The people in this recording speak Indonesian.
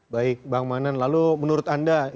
baik bang manan lalu menurut anda